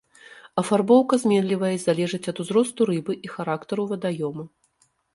Афарбоўка зменлівая і залежыць ад узросту рыбы і характару вадаёма.